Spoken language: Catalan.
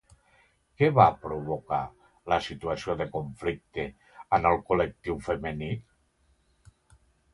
Què va provocar, la situació de conflicte, en el col·lectiu femení?